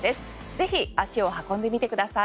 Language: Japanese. ぜひ足を運んでみてください。